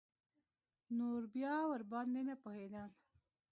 نور بيا ورباندې نه پوهېدم.